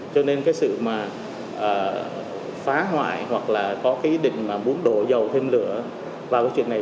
cho nên sự phá hoại hoặc là có ý định muốn đổ dầu thêm lửa vào chuyện này